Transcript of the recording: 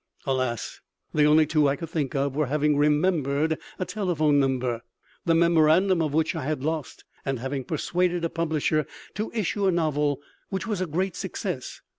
Alas, the only two I could think of were having remembered a telephone number, the memorandum of which I had lost; and having persuaded a publisher to issue a novel which was a great success.